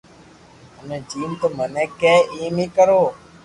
ھمي جيم تو مني ڪي ايم اي ڪرو